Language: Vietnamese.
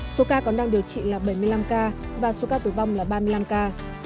số ca còn đang điều trị là bảy mươi năm ca và số ca tử vong là ba mươi năm ca